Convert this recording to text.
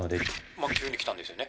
まぁ急に来たんですよね